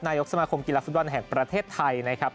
นายกสมาคมกีฬาฟุตบอลแห่งประเทศไทยนะครับ